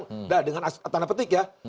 tidak dengan tanda petik ya